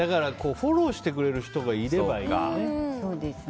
フォローしてくれる人がいればいいよね。